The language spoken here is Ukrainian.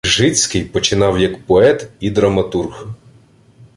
Ґжицький починав як поет і драматург.